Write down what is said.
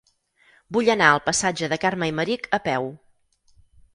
Vull anar al passatge de Carme Aymerich a peu.